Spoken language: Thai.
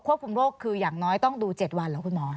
คุมโรคคืออย่างน้อยต้องดู๗วันเหรอคุณหมอ